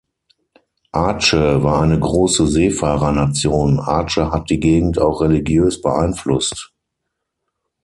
Aceh war eine große Seefahrernation, Aceh hat die Gegend auch religiös beeinflusst.